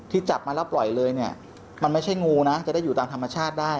ที่จับมันแล้วปล่อยเลยมันไม่ใช่งูจะได้อยู่ตราบธรรมชาติได้